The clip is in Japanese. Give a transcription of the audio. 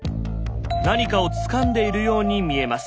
何かをつかんでいるように見えます。